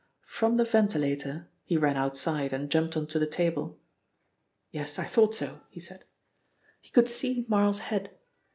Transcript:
From the ventilator," he ran outside and jumped on to the table, "yes, I thought so," he said, "he could see Marl's head.